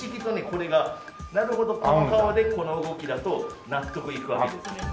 これがなるほどこの側でこの動きだと納得いくわけですね。